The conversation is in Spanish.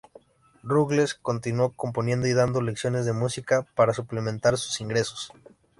Ruggles continuó componiendo y dando lecciones de música para suplementar sus ingresos.